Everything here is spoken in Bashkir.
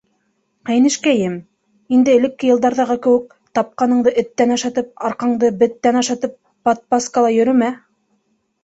— Ҡәйнешкәйем, инде элекке йылдарҙағы кеүек, тапҡаныңды эттән ашатып, арҡаңды беттән ашатып подпаскала йөрөмә.